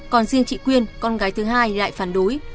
còn riêng chị quyên con gái thứ hai lại phản đối